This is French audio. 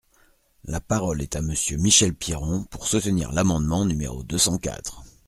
La parole est à Monsieur Michel Piron, pour soutenir l’amendement numéro deux cent quatre.